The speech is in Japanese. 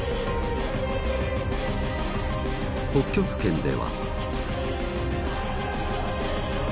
［北極圏では］